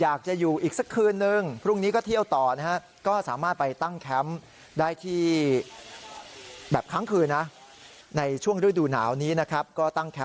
อยากจะอยู่อีกสักคืนนึง